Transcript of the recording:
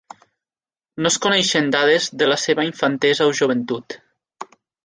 No es coneixen dades de la seva infantesa o joventut.